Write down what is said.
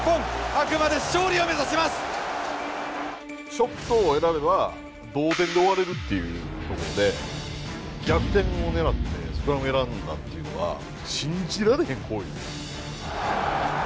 ショットを選べば同点で終われるっていうところで逆転を狙ってスクラムを選んだっていうのは信じられへん行為。